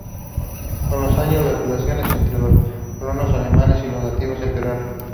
Con los años, las relaciones entre los colonos alemanes y los nativos empeoraron.